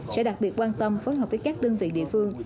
sẽ đặc biệt quan tâm phối hợp với các đơn vị địa phương